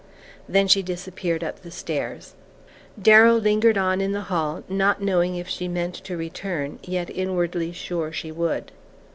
Then she disappeared up the stairs. Darrow lingered on in the hall, not knowing if she meant to return, yet inwardly sure she would.